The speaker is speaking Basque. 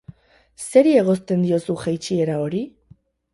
Zeri egozten diozu jaitsiera hori?